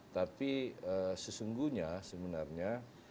tapi sesungguhnya sebenarnya